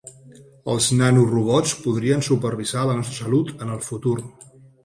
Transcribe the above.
Els nanorobots podrien supervisar la nostra salut en el futur.